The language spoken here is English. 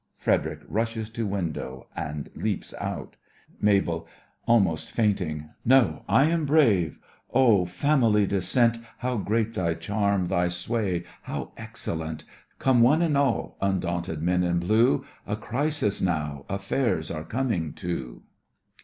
(FREDERIC rushes to window and leaps out) MABEL: (almost fainting) No, I am brave! Oh, family descent, How great thy charm, thy sway how excellent! Come one and all, undaunted men in blue, A crisis, now, affairs are coming to!